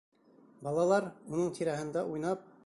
Балалар, уның тирәһендә уйнап: